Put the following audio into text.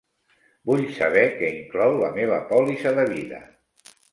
Vull saber què inclou la meva pòlissa de vida.